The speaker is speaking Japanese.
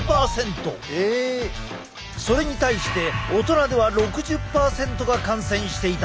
それに対して大人では６０％が感染していた。